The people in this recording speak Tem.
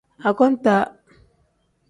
Akontaa.